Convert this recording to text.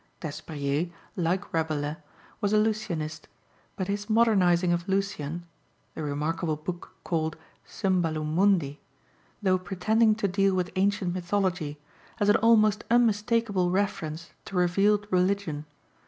Despériers, like Rabelais, was a Lucianist, but his modernising of Lucian (the remarkable book called Cymbalum Mundï), though pretending to deal with ancient mythology, has an almost unmistakable reference to revealed religion.